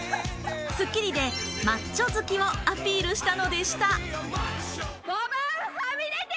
『スッキリ』でマッチョ好きをアピールしたのでした。